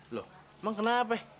lo emang kenapa